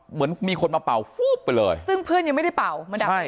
เหมือนมีคนมาเป่าไปเลยซึ่งเพื่อนก็ยังไม่ได้ป่าว